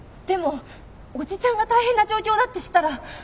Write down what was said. でもおじちゃんが大変な状況だって知ったら。